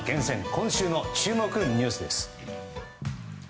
今週の注目ニュースです。